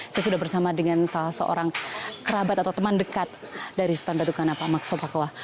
saya sudah bersama dengan salah seorang kerabat atau teman dekat dari sultan batu gana pak maxo pakua